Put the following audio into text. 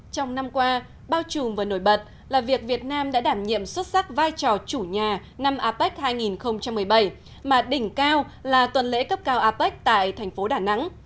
trong năm qua bao trùm và nổi bật là việc việt nam đã đảm nhiệm xuất sắc vai trò chủ nhà năm apec hai nghìn một mươi bảy mà đỉnh cao là tuần lễ cấp cao apec tại thành phố đà nẵng